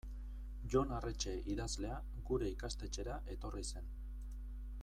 Jon Arretxe idazlea gure ikastetxera etorri zen.